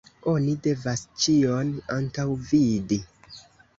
Oni devas ĉion antaŭvidi.